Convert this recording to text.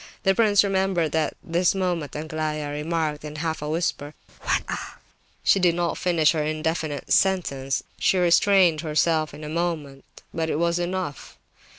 The prince remembered that at this moment Aglaya remarked in a half whisper: "What a—" She did not finish her indefinite sentence; she restrained herself in a moment; but it was enough.